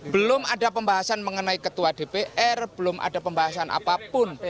belum ada pembahasan mengenai ketua dpr belum ada pembahasan apapun